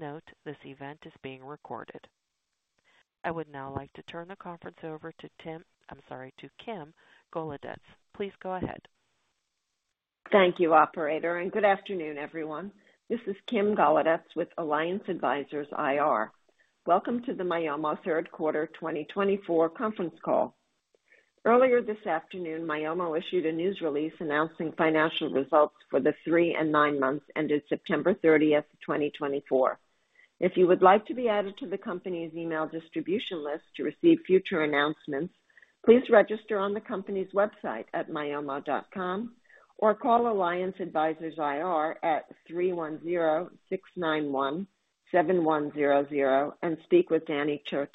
Please note this event is being recorded. I would now like to turn the conference over to Tim. I'm sorry, to Kim Golodetz. Please go ahead. Thank you, Operator, and good afternoon, everyone. This is Kim Golodetz with Alliance Advisors IR. Welcome to the Myomo third quarter 2024 conference call. Earlier this afternoon, Myomo issued a news release announcing financial results for the three and nine months ended September 30th, 2024. If you would like to be added to the company's email distribution list to receive future announcements, please register on the company's website at myomo.com or call Alliance Advisors IR at 310-691-7100 and speak with Danny Cote.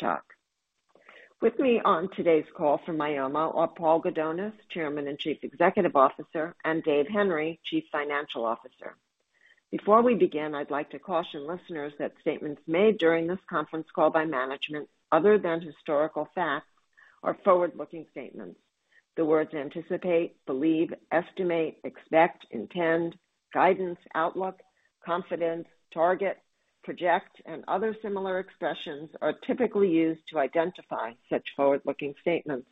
With me on today's call from Myomo are Paul Gudonis, Chairman and Chief Executive Officer, and Dave Henry, Chief Financial Officer. Before we begin, I'd like to caution listeners that statements made during this conference call by management other than historical facts are forward-looking statements. The words anticipate, believe, estimate, expect, intend, guidance, outlook, confidence, target, project and other similar expressions are typically used to identify such forward-looking statements.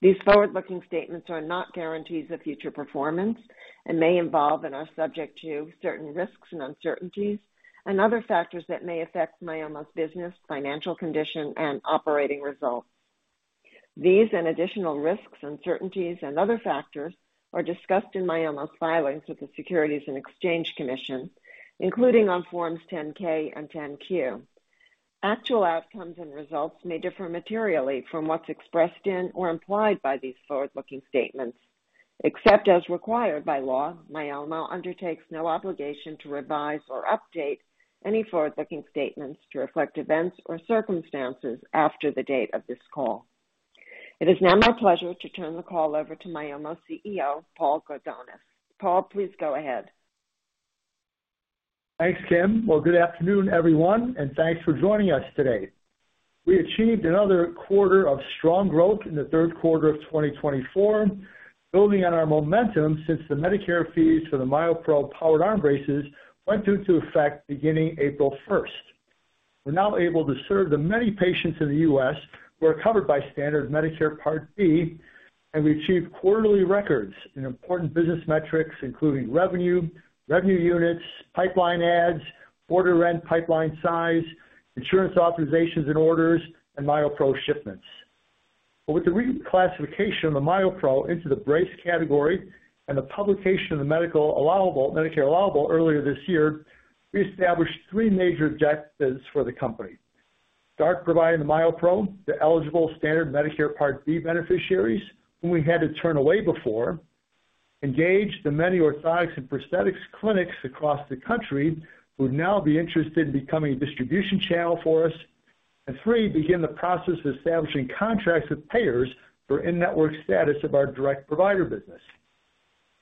These forward-looking statements are not guarantees of future performance and may involve and are subject to certain risks and uncertainties and other factors that may affect Myomo's business financial condition and operating results. These and additional risks, uncertainties and other factors are discussed in Myomo's filings with the Securities and Exchange Commission, including on Forms 10-K and 10-Q. Actual outcomes and results may differ materially from what's expressed in or implied by these forward-looking statements. Except as required by law, Myomo undertakes no obligation to revise or update any forward-looking statements to reflect events or circumstances after the date of this call. It is now my pleasure to turn the call over to Myomo CEO Paul Gudonis. Paul, please go ahead. Thanks Kim. Good afternoon everyone and thanks for joining us today. We achieved another quarter of strong growth in the third quarter of 2024, building on our momentum since the Medicare fees for the MyoPro powered arm braces went into effect beginning April 1st. We're now able to serve the many patients in the U.S. who are covered by standard Medicare Part B and we achieved quarterly records in important business metrics including revenue, revenue units, pipeline adds, order rate, pipeline size, insurance authorizations and orders and MyoPro shipments. With the reclassification of the MyoPro into the brace category and the publication of the Medicare allowable earlier this year, we established three major objectives for the company, providing the MyoPro the eligible standard Medicare Part B beneficiaries whom we had to turn away before, engage the many orthotics and prosthetics clinics across the country who would now be interested in becoming a distribution channel for us, and three begin the process of establishing contracts with payers for in-network status of our direct provider business.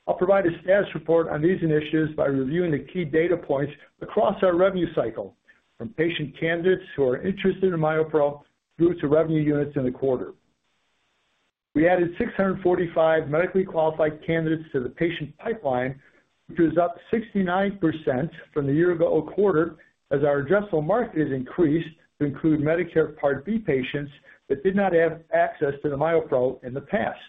I'll provide a status report on these initiatives by reviewing the key data points across our revenue cycle from patient candidates who are interested in MyoPro through to revenue units. In the quarter, we added 645 medically qualified candidates to the patient pipeline, which was up 69% from the year ago quarter. As our addressable market has increased to include Medicare Part B patients that did not have access to the MyoPro in the past.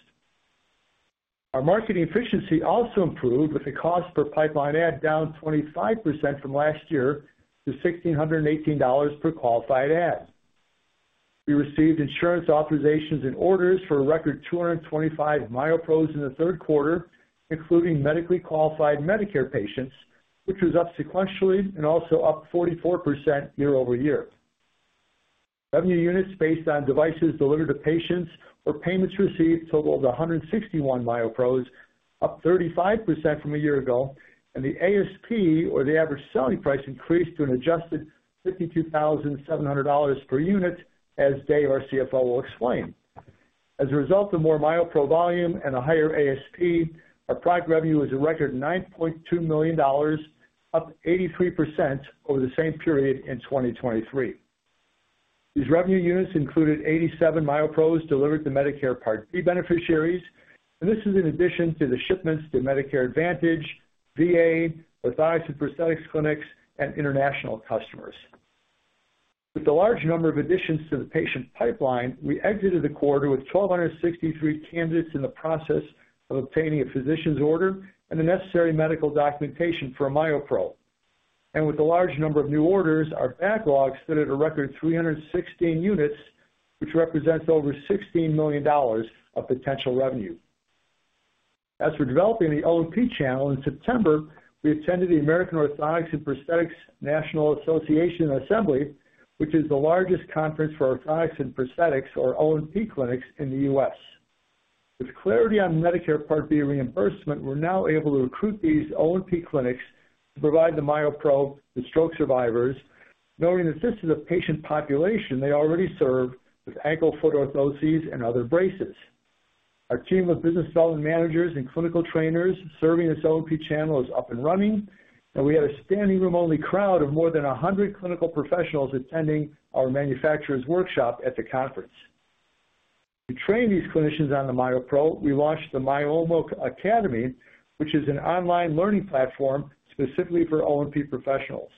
Our marketing efficiency also improved, with the cost per pipeline ad down 25% from last year to $1,618 per qualified ad. We received insurance authorizations and orders for a record 225 MyoPros in the third quarter, including medically qualified Medicare patients, which was up sequentially and also up 44% year-over-year. Revenue units based on devices delivered to patients or payments received totaled 161 MyoPros, up 35% from a year ago, and the ASP or the average selling price increased to an adjusted $52,700 per unit as Dave, our CFO, will explain. As a result of more MyoPro volume and a higher ASP, our product revenue was a record $9.2 million, up 83% over the same period in 2023. These revenue units included 87 MyoPros delivered to Medicare Part B beneficiaries, and this is in addition to the shipments to Medicare Advantage VA orthotics and prosthetics clinics and international customers. With the large number of additions to the patient pipeline, we exited the quarter with 1,263 candidates in the process of obtaining a physician's order and the necessary medical documentation for a MyoPro. And with the large number of new orders, our backlog stood at a record 316 units, which represents over $16 million of potential revenue as we're developing the O&P channel. In September we attended the American Orthotic and Prosthetic Association assembly, which is the largest conference for orthotics and prosthetics or O&P clinics in the U.S. With clarity on Medicare Part B reimbursement, we're now able to recruit these O&P clinics to provide the MyoPro to stroke survivors. Knowing that this is a patient population they already serve with ankle foot orthoses and other braces. Our team of business development managers and clinical trainers serving this O&P channel is up and running and we have a standing room only crowd of more than 100 clinical professionals attending our manufacturer's workshop at the conference. To train these clinicians on the MyoPro, we launched the Myomo Academy, which is an online learning platform specifically for O&P professionals.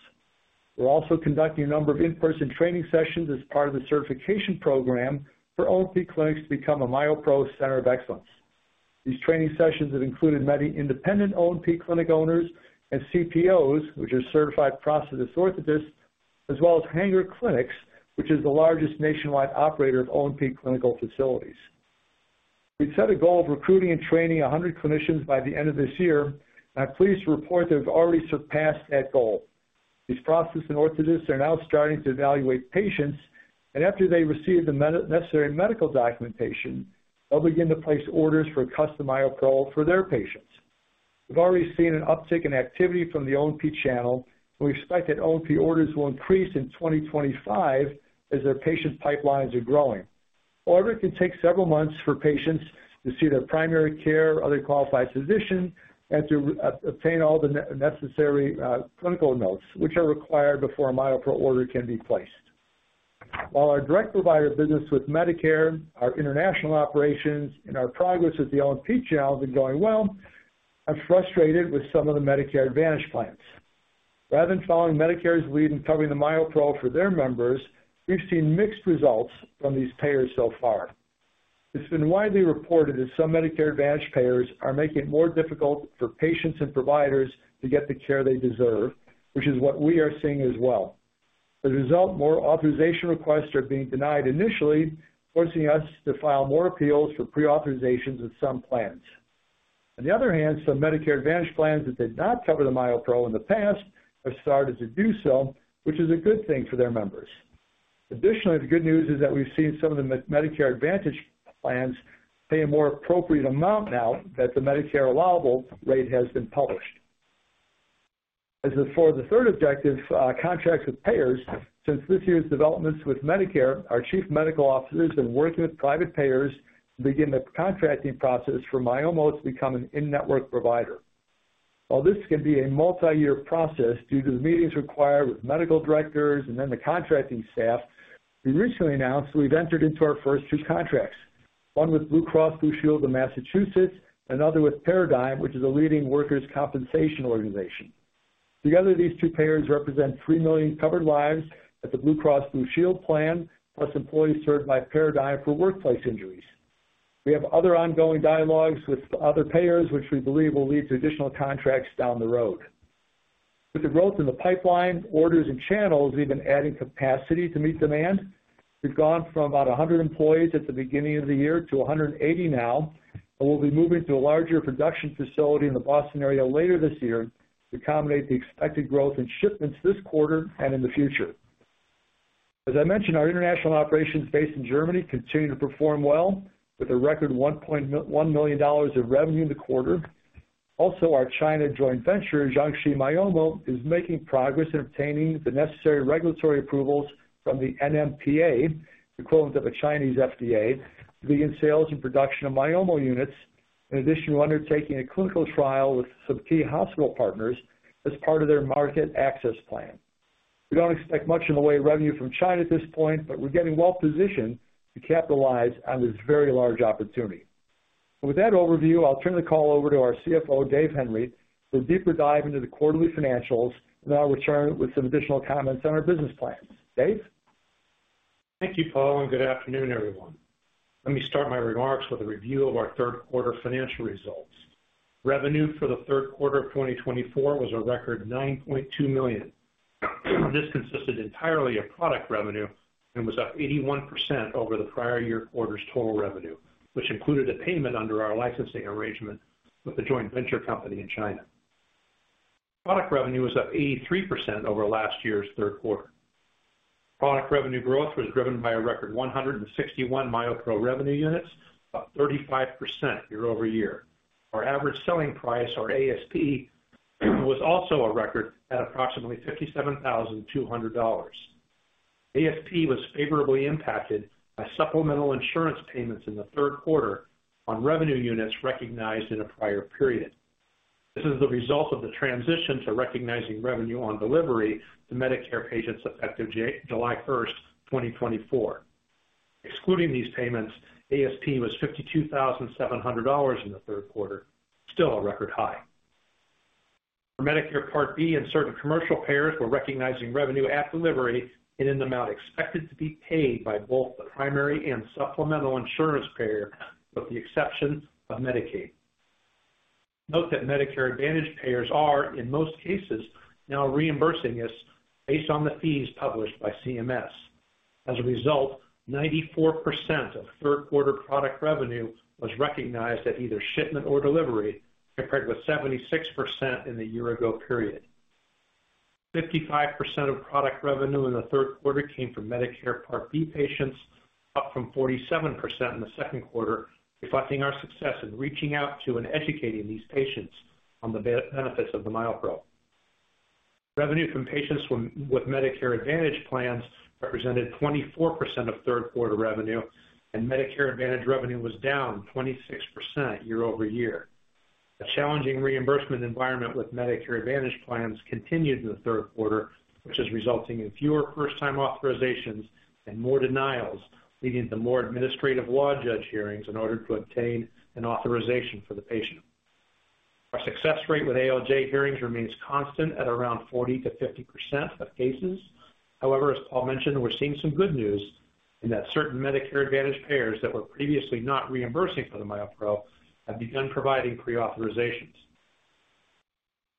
We're also conducting a number of in person training sessions as part of the certification program for O&P clinics to become a MyoPro Center of Excellence. These training sessions have included many independent O&P clinic owners and CPOs, which are certified prosthetist orthotists, as well as Hanger Clinics, which is the largest nationwide operator of O&P clinical facilities. We've set a goal of recruiting and training 100 clinicians by the end of this year and I'm pleased to report that we've already surpassed that goal. These prosthetists and orthotists are now starting to evaluate patients and after they receive the necessary medical documentation, they'll begin to place orders for a custom MyoPro for their patients. We've already seen an uptick in activity from the O&P channel and we expect that O&P orders will increase in 2025 as their patient pipelines are growing. It can take several months for patients to see their primary care or other qualified physician and to obtain all the necessary clinical notes which are required before a MyoPro order can be placed. While our direct provider business with Medicare, our international operations, and our progress at the O&P channel has been going well, we are frustrated with some of the Medicare Advantage plans. Rather than following Medicare's lead in covering the MyoPro for their members, we've seen mixed results from these payers. So far, it's been widely reported that some Medicare Advantage payers are making it more difficult for patients and providers to. Get the care they deserve, which is. What we are seeing as well. As a result, more authorization requests are being denied initially forcing us to file more appeals for pre authorizations of some plans. On the other hand, some Medicare Advantage plans that did not cover the MyoPro in the past have started to do so, which is a good thing for their members. Additionally, the good news is that we've seen some of the Medicare Advantage plans pay a more appropriate amount now that the Medicare allowable rate has been published for the third objective. Contracts with payers since this year's developments with Medicare, our Chief Medical Officer has been working with private payers to begin the contracting process for Myomo to become an in-network provider. While this can be a multi-year process due to the meetings required with medical directors and then the contracting staff, we recently announced we've entered into our first two contracts, one with Blue Cross Blue Shield in Massachusetts, another with Paradigm, which is a leading workers' compensation organization. Together these two payers represent 3 million covered lives at the Blue Cross Blue Shield plan. That plus employees served by Paradigm for workplace injuries. We have other ongoing dialogues with other payers which we believe will lead to additional contracts down the road. With the growth in the pipeline orders and channels even adding capacity to meet demand, we've gone from about 100 employees at the beginning of the year to 180 now and we'll be moving to a larger production facility in the Boston area later this year to accommodate the expected growth in shipments this quarter and in the future. As I mentioned, our international operations based in Germany continue to perform well with a record $1.1 million of revenue in the quarter. Also, our China joint venture Jiangxi Myomo is making progress in obtaining the necessary regulatory approvals from the NMPA equivalent of a Chinese FDA to begin sales and production of Myomo units, in addition to undertaking a clinical trial with some key. Hospital partners as part of their market access plan. We don't expect much in the way of revenue from China at this point, but we're getting well-positioned to capitalize on this very large opportunity. With that overview, I'll turn the call over to our CFO Dave Henry for a deeper dive into the quarterly financials and then I'll return with some additional. Comments on our business plans. Dave. Thank you, Paul, and good afternoon, everyone. Let me start my remarks with a review of our third quarter financial results. Revenue for the third quarter of 2024 was a record $9.2 million. This consisted entirely of product revenue and was up 81% over the prior year quarter's total revenue, which included a payment under our licensing arrangement with the joint venture company in China. Product revenue was up 83% over last year's third quarter. Product revenue growth was driven by a record 161 MyoPro revenue units, 35% year-over-year. Our average selling price, or ASP, was also a record at approximately $57,200. ASP was favorably impacted by supplemental insurance payments in the third quarter on revenue units recognized in a prior period. This is the result of the transition to recognizing revenue on delivery to Medicare patients effective July 1, 2024. Excluding these payments, ASP was $52,700 in the third quarter, still a record high for Medicare Part B, and certain commercial payers were recognizing revenue at delivery in an amount expected to be paid by both the primary and supplemental insurance payer with the exception of Medicaid. Note that Medicare Advantage payers are in most cases now reimbursing us based on the fees published by CMS. As a result, 94% of third quarter product revenue was recognized at either shipment or delivery compared with 76% in the year ago period. 55% of product revenue in the third quarter came from Medicare Part B patients, up from 47% in the second quarter, reflecting our success in reaching out to and educating these patients on the benefits of the MyoPro. Revenue from patients with Medicare Advantage plans represented 24% of third quarter revenue and Medicare Advantage revenue was down 26% year-over-year. A challenging reimbursement environment with Medicare Advantage plans continued in the third quarter, which is resulting in fewer first-time authorizations and more denials leading to more Administrative Law Judge hearings in order to obtain an authorization for the patient. Our success rate with ALJ hearings remains constant at around 40%-50% of cases. However, as Paul mentioned, we're seeing some good news in that certain Medicare Advantage payers that were previously not reimbursing for the MyoPro have begun providing preauthorizations.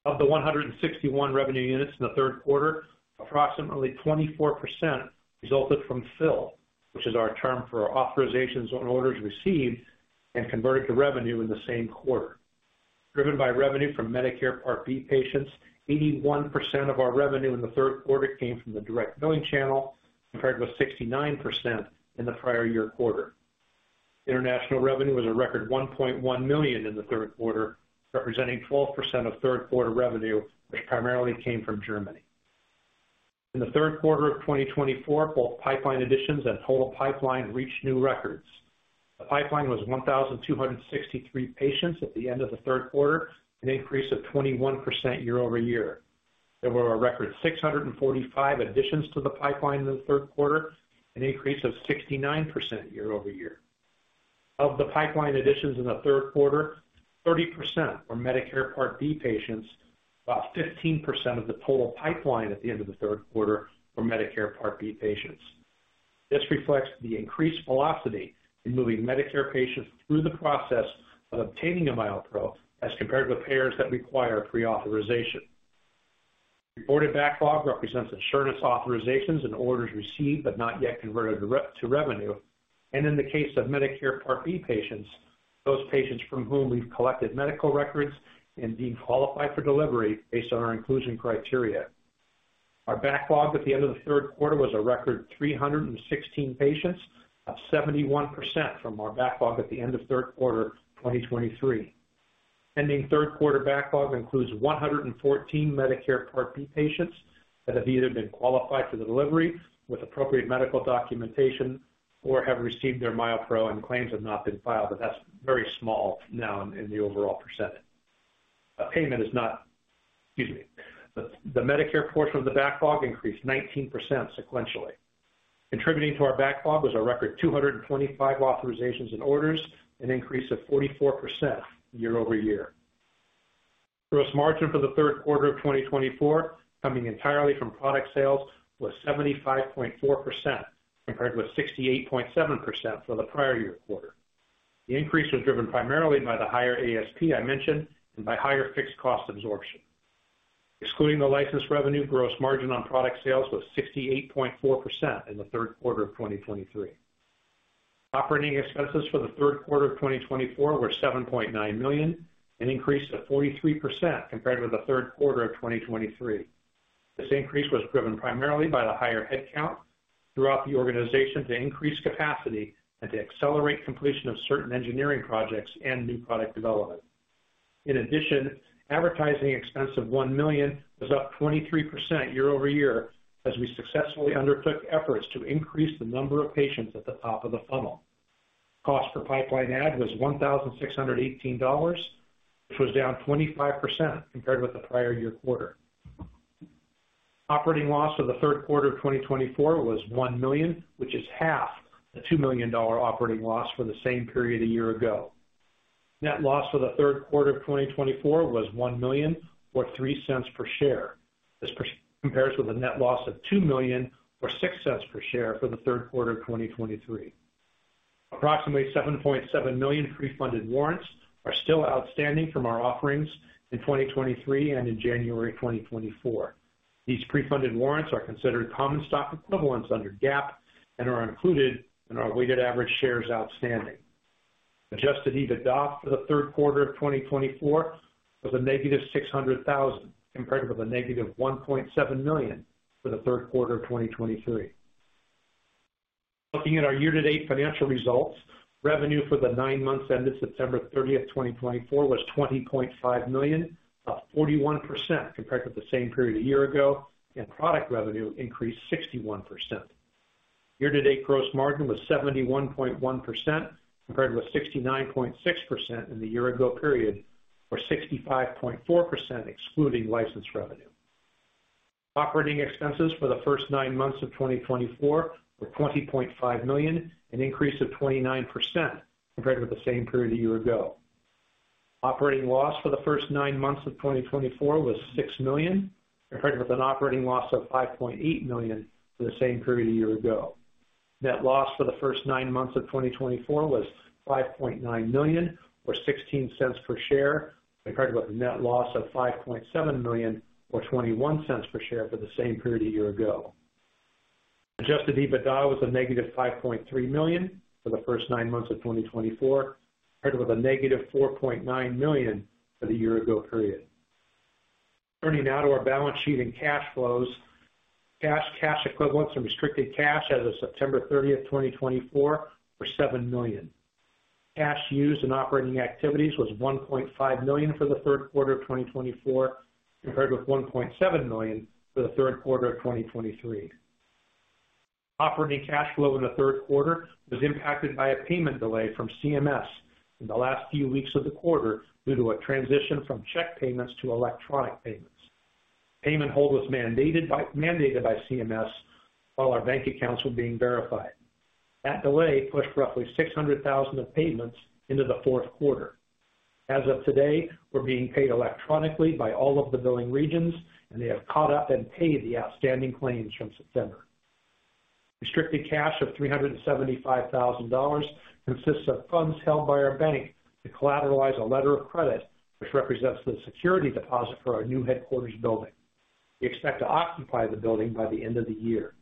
Of the 161 revenue units in the third quarter, approximately 24% resulted from Fill, which is our term for authorizations on orders received and converted to revenue in the same quarter. Driven by revenue from Medicare Part B patients, 81% of our revenue in the third quarter came from the direct billing channel compared with 69% in the prior year quarter. International revenue was a record $1.1 million in the third quarter, representing 12% of third quarter revenue which primarily came from Germany. In the third quarter of 2024, both pipeline additions and total pipeline reached new records. The pipeline was 1,263 patients at the end of the third quarter, an increase of 21% year-over-year. There were a record 645 additions to the pipeline in the third quarter, an increase of 69% year-over-year. Of the pipeline additions in the third quarter, 30% were Medicare Part B patients, about 15% of the total pipeline at the end of the third quarter for Medicare Part B patients. This reflects the increased velocity in moving Medicare patients through the process of obtaining a MyoPro as compared with payers that require pre authorization. Reported backlog represents insurance authorizations and orders received but not yet converted to revenue and in the case of Medicare Part B patients, those patients from whom we've collected medical records and deemed qualified for delivery based on our inclusion criteria. Our backlog at the end of the third quarter was a record 316 patients, up 71% from our backlog at the end of third quarter 2023. Pending third quarter backlog includes 114 Medicare Part B patients that have either been qualified for the delivery with appropriate medical documentation or have received their MyoPro and claims have not been filed, but that's very small now in the overall percentage. Excuse me, the Medicare portion of the backlog increased 19% sequentially. Contributing to our backlog was a record 225 authorizations and orders, an increase of 44% year-over-year. Gross margin for the third quarter of 2024, coming entirely from product sales, was 75.4% compared with 68.7% for the prior year quarter. The increase was driven primarily by the higher ASP I mentioned and by higher fixed cost absorption. Excluding the license revenue, gross margin on product sales was 68.4% in the third quarter of 2023. Operating expenses for the third quarter of 2024 were $7.9 million and increased to 43% compared with the third quarter of 2023. This increase was driven primarily by the higher headcount throughout the organization to increase capacity and to accelerate completion of certain engineering projects and new product development. In addition, advertising expense of $1 million was up 23% year-over-year as we successfully undertook efforts to increase the number of patients at the top of the funnel. Cost per Pipeline add was $1,618, which was down 25% compared with the prior year quarter. Operating loss for the third quarter of 2024 was $1 million, which is half the $2 million operating loss for the same period a year ago. Net loss for the third quarter of 2024 was $1 million or $0.03 per share. This compares with a net loss of $2 million or $0.06 per share for the third quarter 2023. Approximately 7.7 million pre-funded warrants are still outstanding from our offerings in 2023 and in January 2024. These pre-funded warrants are considered common stock equivalents under GAAP and are included in our weighted average shares outstanding. Adjusted EBITDA for the third quarter of 2024 was a -$600,000 compared with a -$1.7 million for the third quarter of 2023. Looking at our year-to-date financial results, revenue for the nine months ended September 30, 2024 was $20.5 million, up 41% compared to the same period a year ago, and Product revenue increased 61%. year-to-date gross margin was 71.1% compared with 69.6% in the year ago period, or 65.4% excluding license revenue. Operating expenses for the first nine months of 2024 were $20.5 million, an increase of 29% compared with the same period a year ago. Operating loss for the first nine months of 2024 was $6 million, compared with an operating loss of $5.8 million for the same period a year ago. Net loss for the first nine months of 2024 was $5.9 million, or $0.16 per share, compared with a net loss of $5.7 million, or $0.21 per share for the same period a year ago. Adjusted EBITDA was a -$5.3 million for the first nine months of 2024 compared with a -$4.9 million for the year ago period. Turning now to our balance sheet and cash flows, cash, cash equivalents and restricted cash as of September 30th, 2024 were $7 million. Cash used in operating activities was $1.5 million for the third quarter of 2024 compared with $1.7 million for the third quarter of 2023. Operating cash flow in the third quarter was impacted by a payment delay from CMS in the last few weeks of the quarter due to a transition from check payments to electronic payments. Payment hold was mandated by CMS while our bank accounts were being verified. That delay pushed roughly $600,000 of payments into the fourth quarter. As of today, we're being paid electronically by all of the billing regions and they have caught up and paid the outstanding claims from September. Restricted cash of $375,000 consists of funds held by our bank to collateralize a letter of credit which represents the security deposit for our new headquarters building. We expect to occupy the building by the end of the year.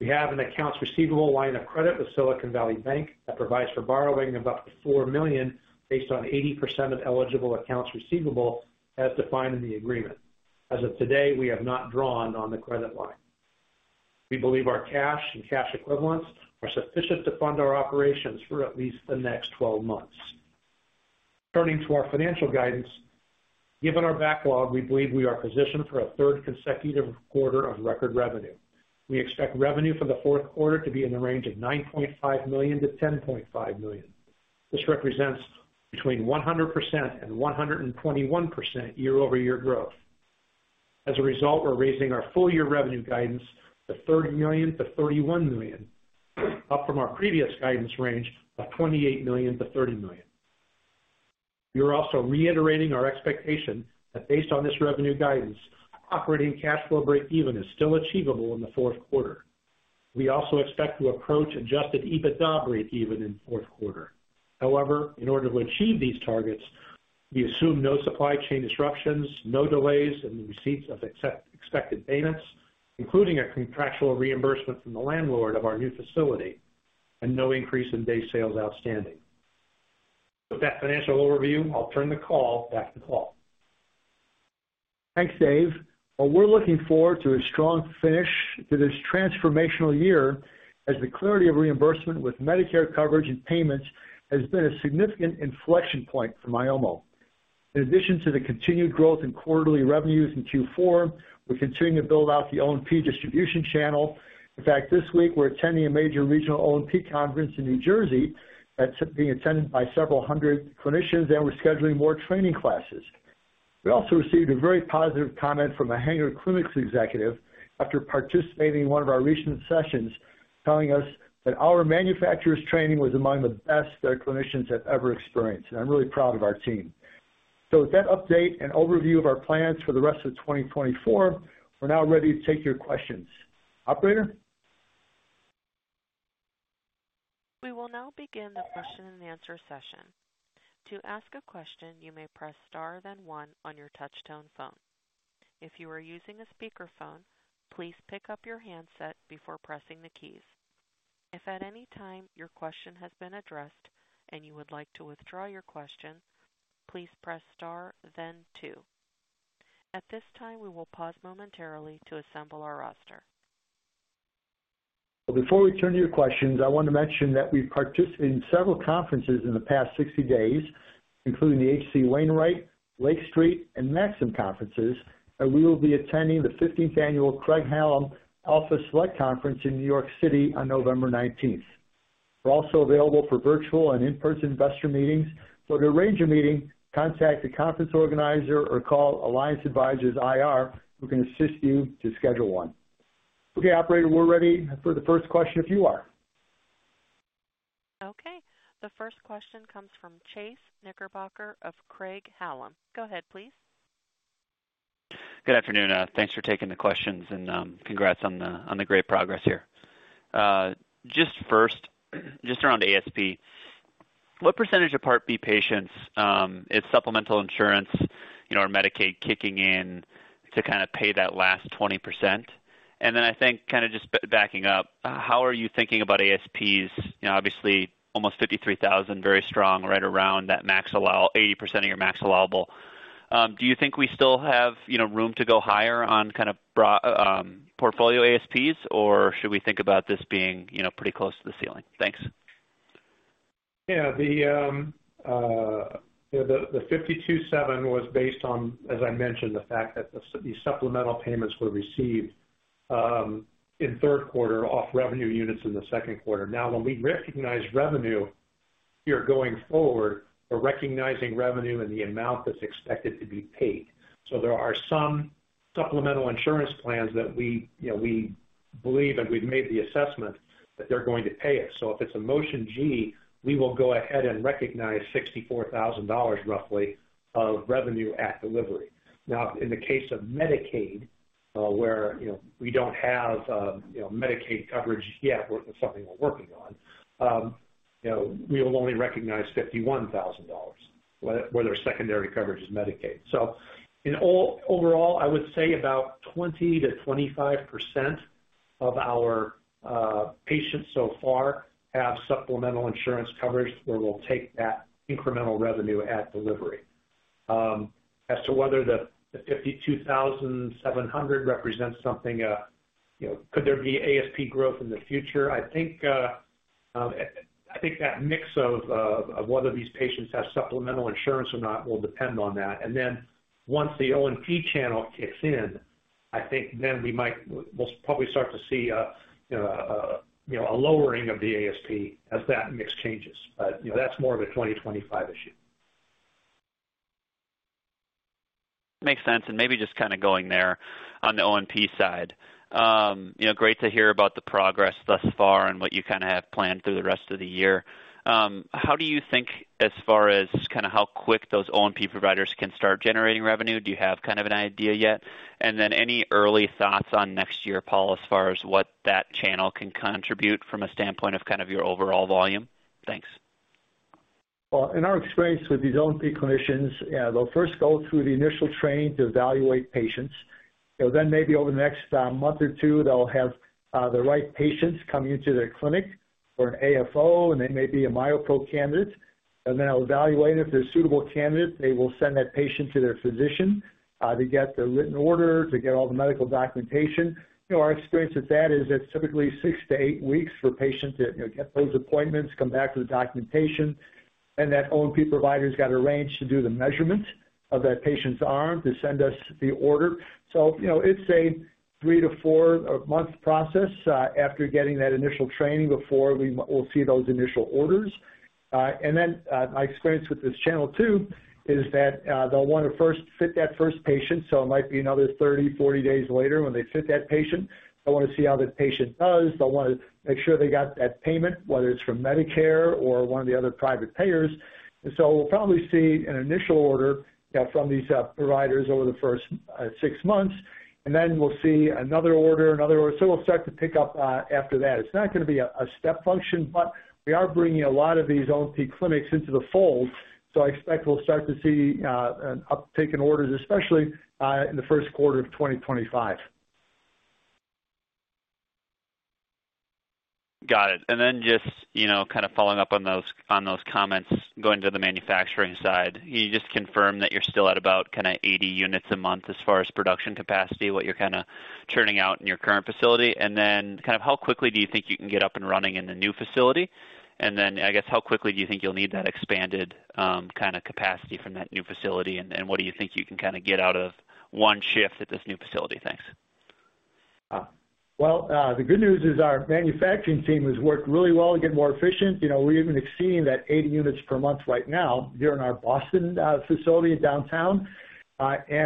We have an accounts receivable line of credit with Silicon Valley Bank that provides for borrowing of up to $4 million based on 80% of eligible accounts receivable as defined in the agreement. As of today, we have not drawn on the credit line. We believe our cash and cash equivalents are sufficient to fund our operations for at least the next 12 months. Turning to our financial guidance, given our backlog, we believe we are positioned for a third consecutive quarter of record revenue. We expect revenue for the fourth quarter to be in the range of $9.5 million-$10.5 million. This represents between 100% and 121% year-over-year growth. As a result, we're raising our full year revenue guidance to $30 million-$31 million, up from our previous guidance range of $28 million-$30 million. We are also reiterating our expectation that based on this revenue guidance, operating cash flow breakeven is still achievable in the fourth quarter. We also expect to approach Adjusted EBITDA breakeven in the fourth quarter. However, in order to achieve these targets, we assume no supply chain disruptions, no delays in the receipts of expected payments, including a contractual reimbursement from the landlord of our new facility, and no increase in days sales outstanding. With that financial overview, I'll turn the call back to Paul. Thanks Dave. While we're looking forward to a strong finish to this transformational year, as the clarity of reimbursement with Medicare coverage and payments has been a significant inflection point for Myomo. In addition to the continued growth in quarterly revenues in Q4, we're continuing to build out the O&P distribution channel. In fact, this week we're attending a major regional O&P conference in New Jersey that's being attended by several hundred clinicians and we're scheduling more training classes. We also received a very positive comment from a Hanger Clinics executive after participating in one of our recent sessions, telling us that our manufacturer's training was among the best their clinicians have ever experienced and I'm really proud of our team. So with that update and overview of our plans for the rest of 2024, we're now ready to take your questions. Operator. We will now begin the question-and-a, nswer session. To ask a question, you may press Star then one on your touchtone phone. If you are using a speakerphone, please pick up your handset before pressing the keys. If at any time your question has been addressed and you would like to withdraw your question, please press Star then two. At this time, we will pause momentarily to assemble our roster. Before we turn to your questions, I want to mention that we participated in several conferences in the past 60 days, including the H.C. Wainwright, Lake Street, and Maxim Conferences, and we will be attending the 15th annual Craig-Hallum Alpha Select Conference in New York City on November 19th. We're also available for virtual and in person investor meetings, so to arrange a meeting, contact the conference organizer or call Alliance Advisors IR who can assist you to schedule one. Okay, Operator, we're ready for the first question if you are. Okay, the first question comes from Chase Knickerbocker of Craig-Hallum. Go ahead, please. Good afternoon. Thanks for taking the questions and congrats on the great progress here. Just first, just around ASP, what percentage of Part B patients is supplemental insurance or Medicaid kicking in to kind of pay that last 20% and then I think kind of just backing up. How are you thinking about ASPs? Obviously almost $53,000 very strong right around that max allow, 80% of your max allowable. Do you think we still have room to go higher on kind of portfolio ASPs, or should we think about this being pretty close to the ceiling? Thanks. Yeah. The 52.7 was based on, as I mentioned, the fact that the supplemental payments were received in third quarter off revenue units in the second quarter. Now, when we recognize revenue here going forward, we're recognizing revenue and the amount that's expected to be paid. So there are some supplemental insurance plans that we, you know, we believe and we've made the assessment that they're going to pay us. So if it's a motion G, we will go ahead and recognize $64,000 roughly of revenue at delivery. Now, in the case of Medicaid, where we don't have Medicaid coverage yet, with something we're working on, we will only recognize $51,000 where their secondary coverage is Medicaid. So overall, I would say about 20%-25% of our patients so far have supplemental insurance coverage where we'll take that incremental revenue at delivery. As to whether the 52,700 represents something, could there be ASP growth in the future? I think that mix of whether these patients have supplemental insurance or not will depend on that. And then once the O&P channel kicks in, I think then we might, we'll probably start to see a lowering of the ASP as that mix changes. But that's more of a 2025 issue. Makes sense, and maybe just kind of going there on the O&P side, you know, great to hear about the progress thus far and what you kind of have planned through the rest of the year. How do you think as far as kind of how quick those O&P providers can start generating revenue? Do you have kind of an idea yet and then any early thoughts on next year, Paul, as far as what that channel can contribute from a standpoint of kind of your overall volume? Thanks. In our experience with these O&P clinicians, they'll first go through the initial training to evaluate patients. Then maybe over the next month or two they'll have the right patients coming into their clinic for an AFO and they may be a MyoPro candidate, then they'll evaluate if they're a suitable candidate. They will send that patient to their physician to get the written order to get all the medical documentation. Our experience with that is it's typically six-to-eight weeks for a patient to get those appointments, come back to the documentation, and that O&P provider's got arranged to do the measurement of that patient's arm to send us the order, so you know, it's a three-to-four-month process after getting that initial training before we will see those initial orders. And then my experience with this channel two is that they'll want to first fit that first patient. So it might be another 30, 40 days later when they fit that patient. They'll want to see how the patient does. They'll want to make sure they got that payment, whether it's from Medicare or one of the other private payers. So we'll probably see an initial order from these providers over the first six months and then we'll see another order, another order. So we'll start to pick up after that. It's not going to be a step function, but we are bringing a lot of these O&P clinics into the fold, so I expect we'll start to see an uptick in orders, especially in the first quarter of 2025. Got it. And then just kind of following up on those comments going to the manufacturing side, you just confirmed that you're still at about kind of 80 units a month as far as production capacity, what you're kind of churning out in your current facility. And then kind of, how quickly do you think you can get up and running in the new facility? And then I guess how quickly do you think you'll need that expanded kind of capacity from that new facility? And what do you think you can kind of get out of one shift at this new facility? Thanks. The good news is our manufacturing team has worked really well to get more efficient. You know, we're even exceeding that 80 units per month right now here in our Boston facility downtown.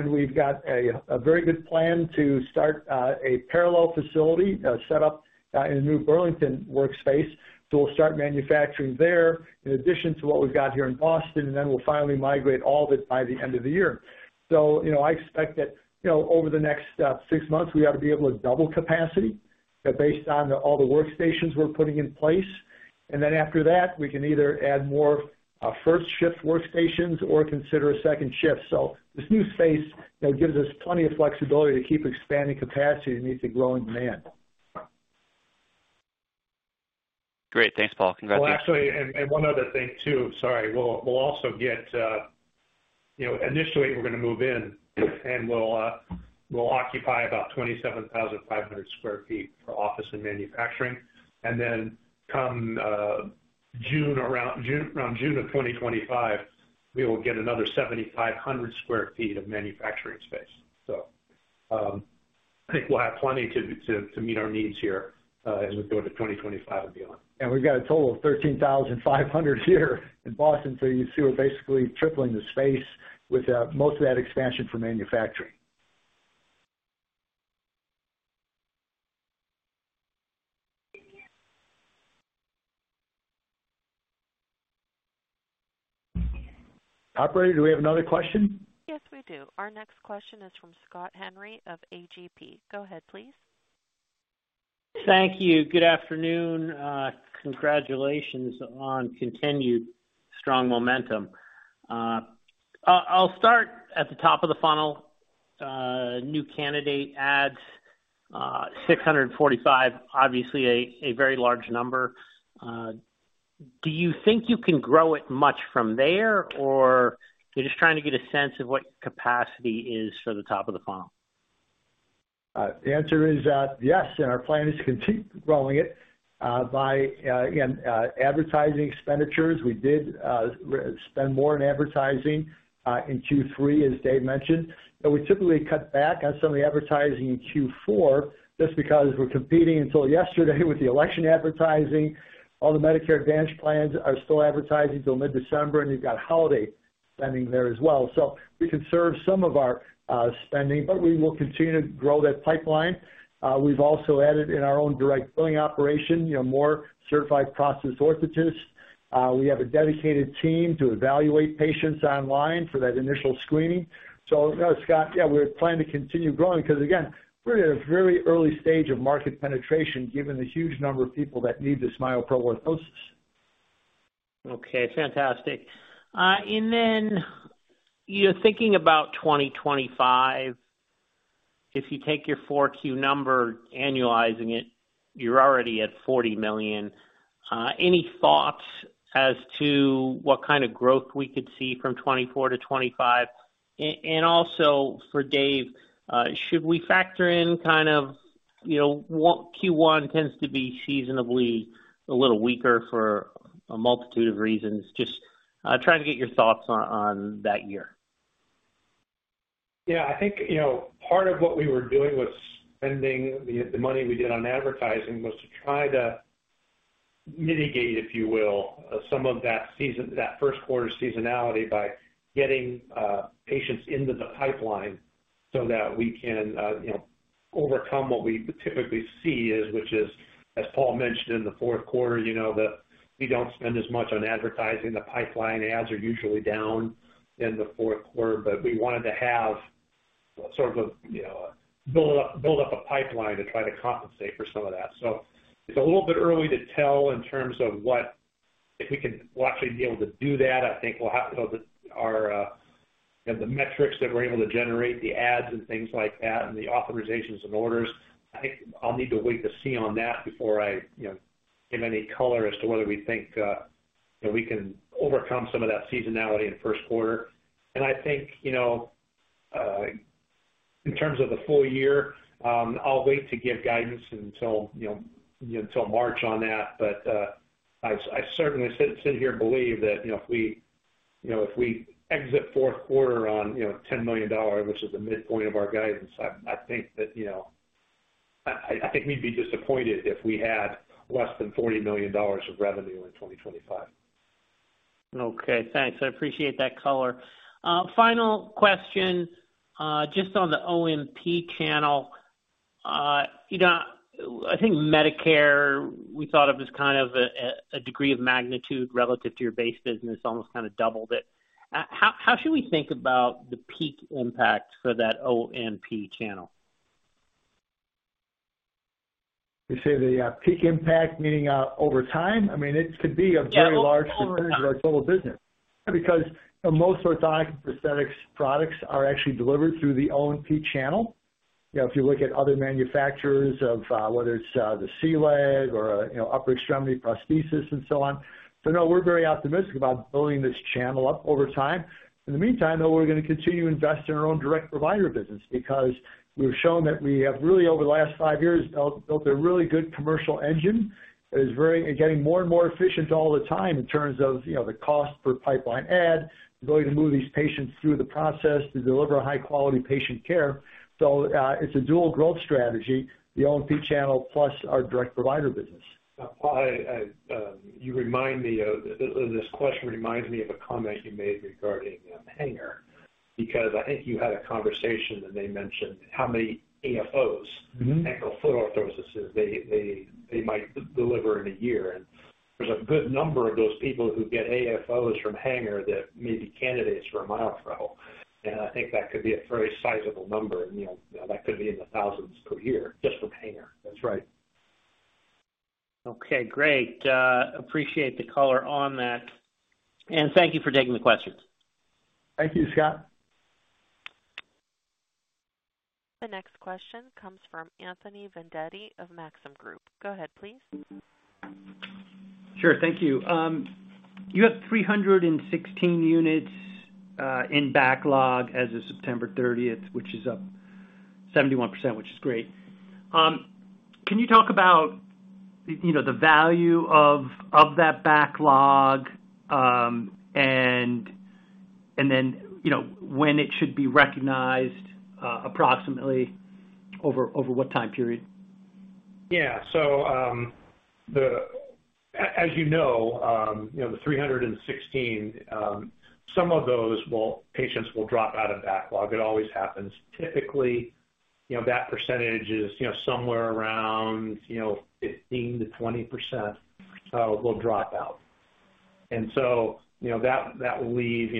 We've got a very good plan to start a parallel facility set up in the new Burlington workspace. We'll start manufacturing there in addition to what we've got here in Boston. Then we'll finally migrate all of it by the end of the year. I expect that over the next six months we ought to be able to double capacity based on all the workstations we're putting in place. Then after that we can either add more first shift workstations or consider a second shift. This new space gives us plenty of flexibility to keep expanding capacity to meet the growing demand. Great. Thanks, Paul. Congratulations. Well, actually, and one other thing too. Sorry. We'll also get initially we're going to move in and we'll occupy about 27,500 sq ft for office and manufacturing, and then come around June of 2025, we will get another 7,500 sq ft of manufacturing space, so I think we'll have plenty to meet our needs here as we go to 2025 and beyond. We've got a total of 13,500 here in Boston. You see, we're basically tripling the space with most of that expansion for manufacturing. Operator. Do we have another question? Yes, we do. Our next question is from Scott Henry of AGP. Go ahead, please. Thank you. Good afternoon. Congratulations on continued strong momentum. I'll start at the top of the funnel. New candidate adds 645, obviously a very large number. Do you think you can grow it much from there or you're just trying to get a sense of what capacity is for the top of the funnel? The answer is yes, and our plan is to continue rolling it out by advertising expenditures. We did spend more in advertising in Q3, as Dave mentioned. We typically cut back on some of the advertising in Q4 just because we're competing until yesterday with the election advertising. All the Medicare Advantage plans are still advertising until mid-December, and you've got holiday spending there as well, so we can curb some of our spending, but we will continue to grow that pipeline. We've also added in our own direct billing operation more certified prosthetist orthotists. We have a dedicated team to evaluate patients online for that initial screening. So, Scott, we plan to continue growing because again, we're in a very early stage of market penetration given the huge number of people that need this MyoPro orthosis. Okay, fantastic. And then you're thinking about 2025. If you take your 4Q number, annualizing it, you're already at $40 million. Any thoughts as to what kind of growth we could see from 2024-2025? And also for Dave, should we factor in kind of, you know, Q1 tends to be seasonally a little weaker for a multitude of reasons. Just trying to get your thoughts on that year. Yeah, I think part of what we. we're doing was spending the money we did on advertising was to try to mitigate, if you will, some of that first quarter seasonality by getting patients into the pipeline so that we can overcome what we typically see, which is, as Paul mentioned, in the fourth quarter, we don't spend as much on advertising. The pipeline ads are usually down in the fourth quarter. But we wanted to have sort of build up a pipeline to try to compensate for some of that. So it's a little bit early to tell in terms of what if we can actually be able to do that, I think we'll have the metrics that we're able to generate the ads and things like that and the authorizations and orders. I think I'll need to wait to see on that before I give any color as to whether we think we can overcome some of that seasonality in the first quarter. I think, in terms of the full year, I'll wait to give guidance until March on that, but I certainly sit here and believe that if we exit fourth quarter on $10 million, which is the midpoint of our guidance, I think we'd be disappointed if we had less than $40 million of revenue in 2025. Okay, thanks. I appreciate that color. Final question just on the O&P channel. You know, I think Medicare we thought of as kind of a degree of magnitude relative to your base business, almost kind of doubled it. How should we think about the peak impact for that O&P channel? You say the O&P impact, meaning over time. I mean, it could be a very large percentage of our total business because most orthotics and prosthetics products are actually delivered through the O&P channel. If you look at other manufacturers of whether it's the C-Leg or upper extremity prosthesis and so on. So no, we're very optimistic about building this channel up over time. In the meantime, though, we're going to continue to invest in our own direct provider business because we've shown that we have really over the last five years built a really good commercial engine that is getting more and more efficient all the time in terms of the cost per pipeline and going to move these patients through the process to deliver high quality patient care. So it's a dual growth strategy, the O&P channel plus our direct provider business alike. You remind me of, this question reminds me of a comment you made regarding Hanger because I think you had a conversation and they mentioned how many AFOs, ankle foot orthosis they might deliver in a year. And there's a good number of those people who get AFOs from Hanger that may be candidates for a MyoPro. And I think that could be a very sizable number that could be in the thousands per year, just for Hanger. That's right. Okay, great. Appreciate the color on that, and thank you for taking the questions. Thank you, Scott. The next question comes from Anthony Vendetti of Maxim Group. Go ahead, please. Sure. Thank you. You have 316 units in backlog as of September 30th, which is up 71%, which is great. Can you talk about the value of that backlog. When it should be recognized approximately over what time period? Yeah, so as you know, the 316, some of those patients will drop out of backlog. It always happens. Typically that percentage is somewhere around 15%-20% will drop out. And so that will leave,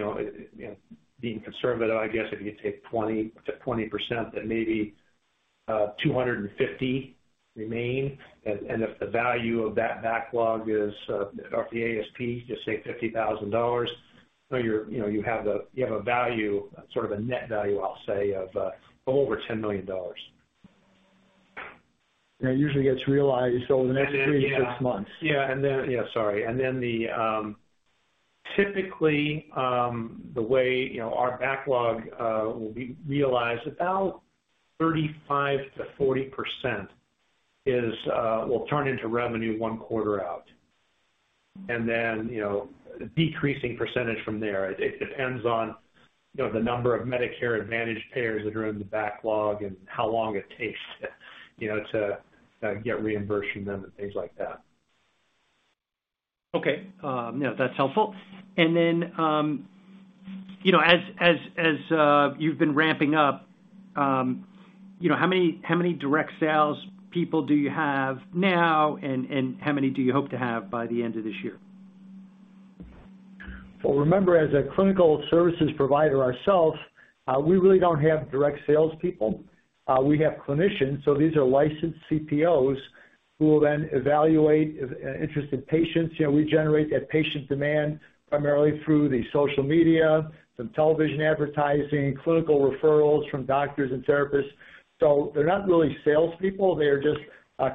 being conservative. I guess if you take 20%, that maybe 250 remain, and if the value of that backlog is, say $50,000, you have a value, sort of a net value, I'll say, of over $10 million. That usually gets realized over the next three to six months. Yeah, sorry. Typically, the way our backlog will be realized, about 35%-40% will turn into revenue one quarter out, and then, you know, decreasing percentage from there. It depends on the number of Medicare Advantage payers that are in the backlog and how long it takes to get reimbursed from them and things like that. Okay, yeah, that's helpful. And then, you know, as you've been ramping up, you know, how many direct sales people do you have now and how many do you hope to have y the end of this year? Remember, as a clinical services provider ourselves, we really don't have direct salespeople. We have clinicians. So these are licensed CPOs who will then evaluate interested patients. We generate that patient demand primarily through the social media, some television advertising, clinical referrals from doctors and therapists. So they're not really salespeople. They are just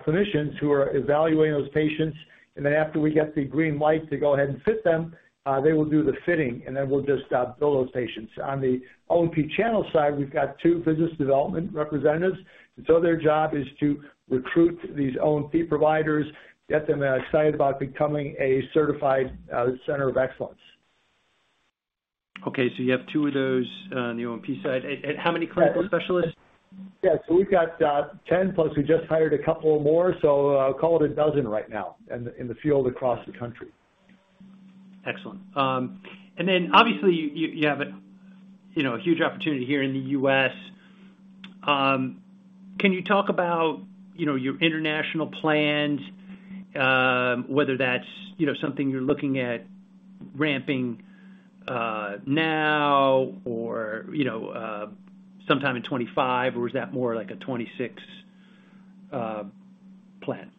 clinicians who are evaluating those patients. And then after we get the green light to go ahead and fit them, they will do the fitting, and then we'll just bill those patients. On the O&P channel side, we've got two business development representatives. So their job is to recruit these O&P providers, get them excited about becoming a certified Center of Excellence. Okay, so you have two of those on the O&P side and how many clinical specialists? Yes, we've got 10+, we just hired a couple more. So call it a dozen right now in the field across the country. Excellent. And then, obviously, you have a huge opportunity here in the U.S. Can you talk about your international plans, whether that's something you're looking at ramping now or sometime in 2025, or is that more like a 2026 plan?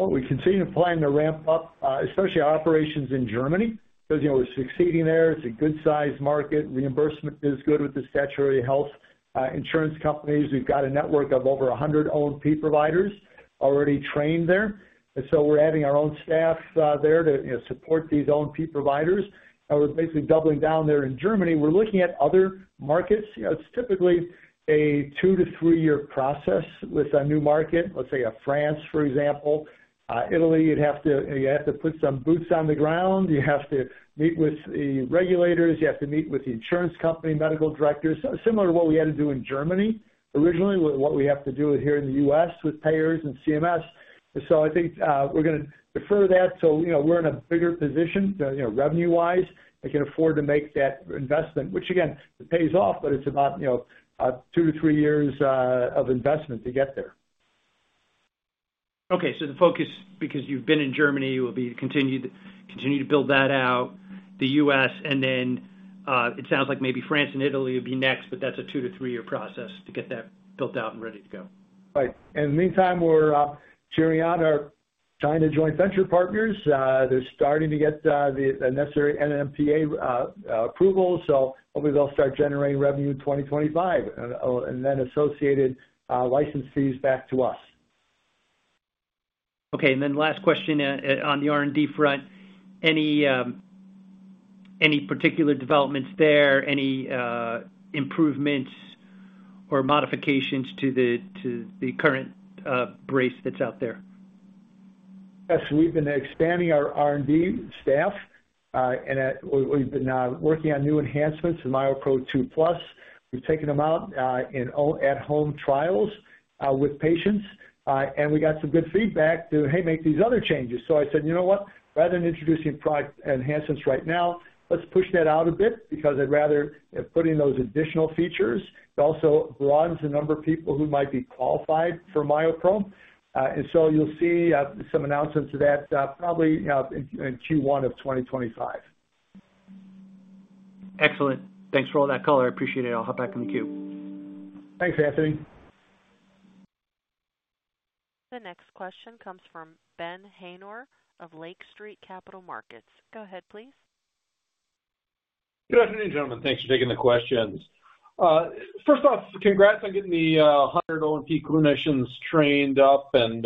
We continue to plan to ramp up, especially operations in Germany because you know we're succeeding there. It's a good sized market. Reimbursement is good with the statutory health insurance companies. We've got a network of over 100 O&P providers already trained there. So we're adding our own staff there to support these O&P providers and we're basically doubling down there. In Germany we're looking at other markets. It's typically a two- to three-year process with a new market, let's say France, for example, Italy. You have to put some boots on the ground, you have to meet with the regulators, you have to meet with the insurance company medical directors similar to what we had to do in Germany originally. What we have to do here in the U.S. with payers and CMS. So I think we're going to defer that so we're in a bigger position revenue-wise. I can afford to make that investment which again it pays off but it's about two-to-three years of investment to get there. Okay, so the focus, because you've been in Germany, will be continue to build that out in the U.S. and then it sounds like maybe France and Italy would be next. But that's a two- to three-year process to get that built out and ready to go. In the meantime, we're cheering on our China joint venture partners. They're starting to get the necessary NMPA approval so hopefully they'll start generating revenue in 2025 and then associated license fees back to us. Okay, and then last question on the R&D front. Any particular developments there? Any improvements or modifications to the current brace that's out there? Yes, we've been expanding our R&D staff and we've been working on new enhancements in MyoPro 2. Plus, we've taken them out in at-home trials with patients and we got some good feedback too. Hey, make these other changes. So I said, you know what, rather than introducing product enhancements right now, let's push that out a bit because I'd rather put in those additional features. It also broadens the number of people who might be qualified for MyoPro. And so you'll see some announcements of that probably in Q1 of 2025. Excellent. Thanks for all that color. I appreciate it. I'll hop back in the queue. Thanks, Anthony. The next question comes from Ben Haynor of Lake Street Capital Markets. Go ahead please. Good afternoon gentlemen. Thanks for taking the questions. First off, congrats on getting the 100. O&P clinicians trained up. And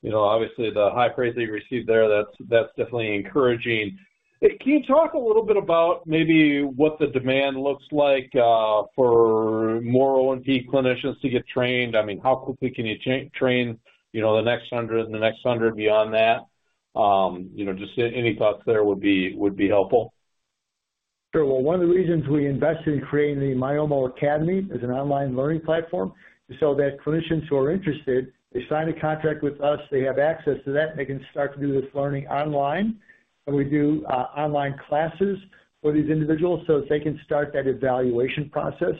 you know, obviously the high praise they received there, that's definitely encouraging. Can you talk a little bit about? Maybe what the demand looks like for more O&P clinicians to get trained? I mean, how quickly can you train? You know, the next hundred and the next hundred. Beyond that, just. Any thoughts there would be helpful. Sure. Well, one of the reasons we invested in creating the Myomo Academy as an online learning platform so that clinicians who are interested, they sign a contract with us, they have access to that, they can start to do this learning online. And we do online classes for these individuals so they can start that evaluation process.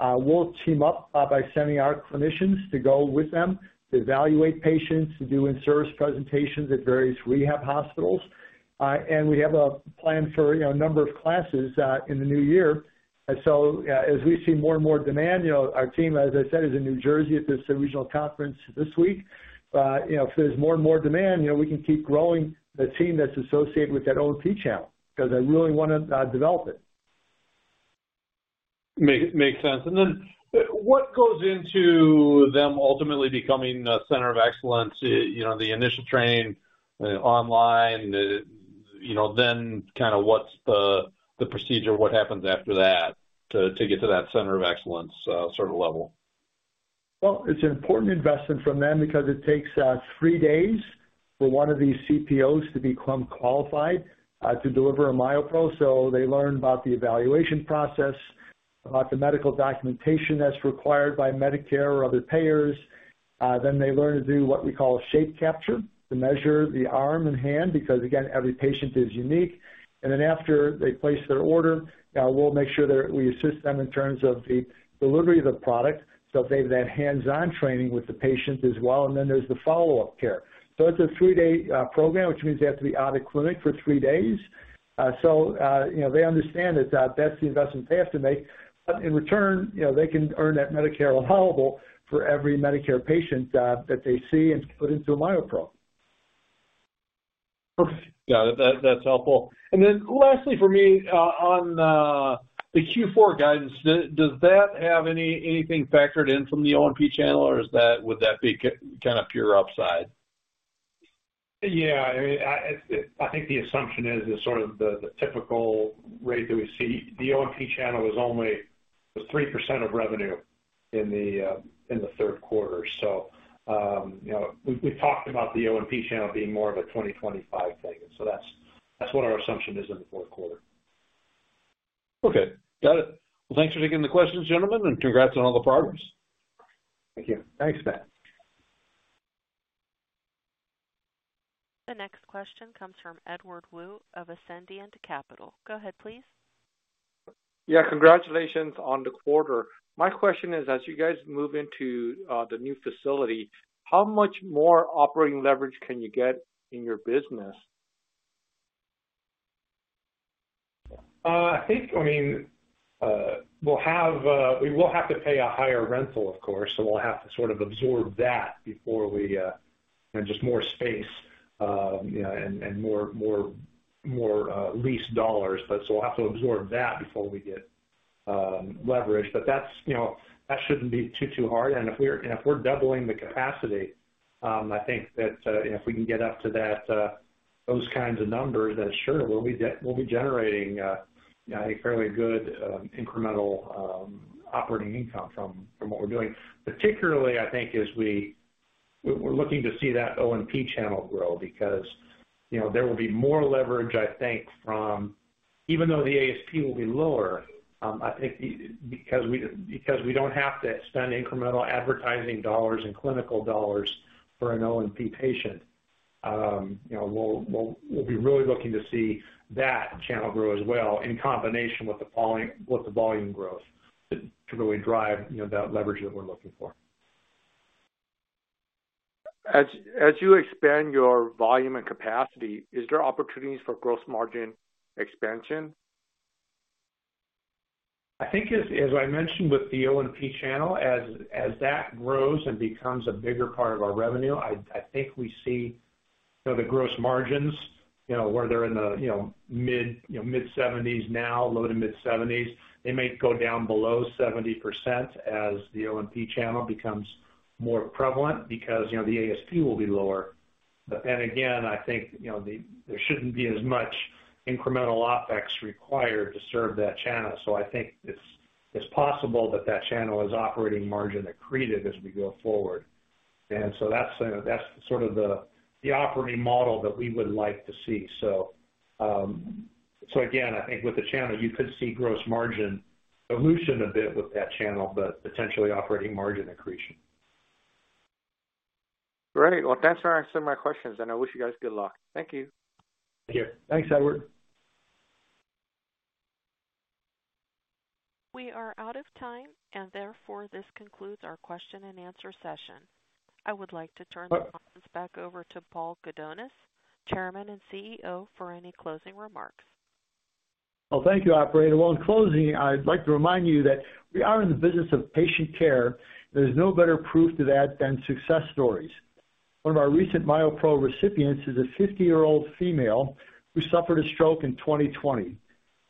We'll team up by sending our clinicians to go with them to evaluate patients to do in-service presentations at various rehab hospitals. And we have a plan for a number of classes in the new year. So as we see more and more demand, our team, as I said, is in New Jersey at this regional conference this week. If there's more and more demand, we can keep growing the team that's associated with that O&P channel, because I really want to develop it. Makes sense. And then what goes into them ultimately becoming a Center of Excellence, initial training online, you know, then kind of what's the procedure? What happens after that to get to that Center of Excellence sort of level? It's an important investment from them because it takes three days for one of these CPOs to become qualified to deliver a MyoPro. So they learn about the evaluation process, about the medical documentation that's required by Medicare or other payers. Then they learn to do what we call shape capture, to measure the arm and hand, because again, every patient is unique. And then after they place their order, we'll make sure that we assist them in terms of the delivery of the product. So they have that hands-on training with the patient as well. And then there's the follow-up care. So it's a three-day program, which means they have to be out of clinic for three days. So they understand that that's the investment they have to make. But in return they can earn that Medicare allowable for every Medicare patient that they see and put into a MyoPro. Okay, got it, that's helpful. And then lastly for me on the Q4 guidance, does that have anything factored? Income from the O&P channel or would that be kind of pure upside? Yeah, I think the assumption is sort of the typical rate that we see the O&P channel was only 3% of revenue in the third quarter. So we talked about the O&P channel being more of a 20%-25% thing. So that's what our assumption is in the fourth quarter. Okay, got it. Thanks for taking the questions, gentlemen, and congrats on all the progress. Thank you. Thanks, Ben. The next question comes from Edward Woo of Ascendiant Capital. Go ahead, please. Yeah, congratulations on the quarter. My question is, as you guys move. Into the new facility, how much more operating leverage can you get in your business? I think, I mean, we'll have. We will have to pay a higher rental, of course, so we'll have to sort of absorb that before we just. More space and more lease dollars. So we'll have to absorb that before we get leverage. But that's, you know, that shouldn't be too, too hard. And if we're doubling the capacity, I think that if we can get up to that, those kinds of numbers, then sure, we'll be generating a fairly good incremental operating income from what we're doing, particularly I think, as we. We're looking to see that O&P channel grow because there will be more leverage, I think, from. Even though the ASP will be lower. I think, because we don't have to spend incremental advertising dollars and clinical dollars for an O&P patient. We'll be really looking to see that channel grow as well in combination with the volume growth to really drive that leverage that we're looking for as you expand your volume and capacity. Is there opportunities for gross margin expansion? I think, as I mentioned, with the O&P channel, as that grows and becomes a bigger part of our revenue, I think we see the gross margins where they're in the mid-70%s now, low to mid-70%s. They may go down below 70% as the O&P channel becomes more prevalent because, you know, the ASP will be lower. But then again, I think, you know, there shouldn't be as much incremental OpEx required to serve that channel. So I think it's possible that that channel is operating margin accretive as we go forward. And so that's sort of the operating model that we would like to see. So again, I think with the channel, you could see gross margin a bit with that channel, but potentially operating margin accretion. Great. Thanks for answering my questions and I wish you guys good luck. Thank you. Thank you. Thanks, Edward. We are out of time, and therefore this concludes our question-and-answer session. I would like to turn the conference back over to Paul Gudonis, Chairman and CEO, for any closing remarks. Well, thank you, operator. Well, in closing, I'd like to remind you that we are in the business of patient care. There's no better proof to that than success stories. One of our recent MyoPro recipients is a 50-year-old female who suffered a stroke in 2020.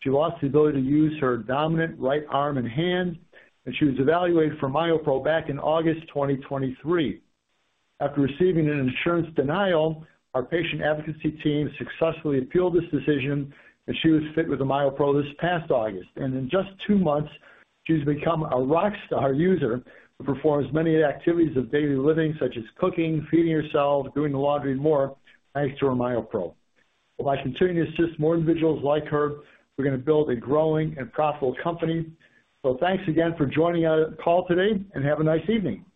She lost the ability to use her dominant right arm and hand, and she was evaluated for MyoPro back in August 2023 after receiving an insurance denial. Our patient advocacy team successfully appealed this decision and she was fit with a MyoPro this past August, and in just two months, she's become a rock star user who performs many activities of daily living such as cooking, feeding herself, doing the laundry, and more. Thanks to her MyoPro. By continuing to assist more individuals like her, we're going to build a growing and profitable company. Thanks again for joining our call today and have a nice evening.